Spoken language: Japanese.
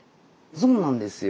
そうなんですよ。